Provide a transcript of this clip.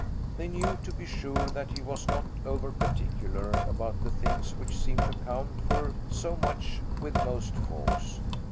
They knew, to be sure, that he was not over particular about the things which seem to count for so much with most folks.